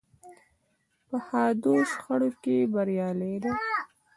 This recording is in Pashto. په حادو شخړو کې بریالۍ ده.